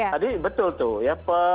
tadi betul tuh ya